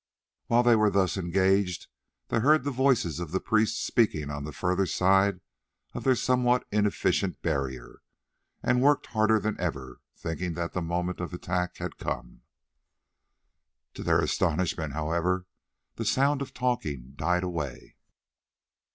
While they were thus engaged they heard the voices of priests speaking on the further side of their somewhat inefficient barrier, and worked harder than ever, thinking that the moment of attack had come. To their astonishment, however, the sound of talking died away.